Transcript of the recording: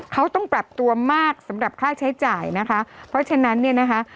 เขาต้องปรับตัวมากสำหรับค่าใช้จ่ายนะคะเพราะฉะนั้นเนี่ยนะคะ